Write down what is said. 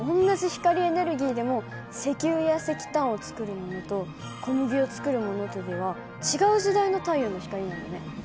同じ光エネルギーでも石油や石炭を作るものと小麦を作るものとでは違う時代の太陽の光なんだね。